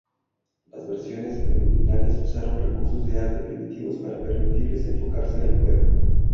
Las versiones preliminares usaron recursos de arte primitivos para permitirles enfocarse en el juego.